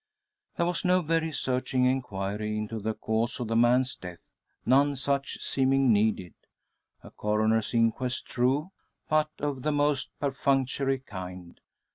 There was no very searching enquiry into the cause of the man's death; none such seeming needed. A coroner's inquest, true; but of the most perfunctory kind.